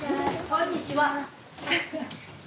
こんにちは。